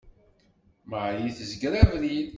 Marie tezger abrid.